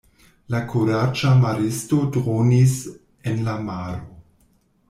La kuraĝa maristo dronis en la maro.